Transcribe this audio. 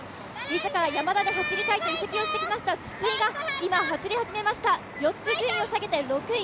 自ら、ヤマダで走りたいと移籍してきた筒井が今、走り始めました、４つ順位を下げて６位。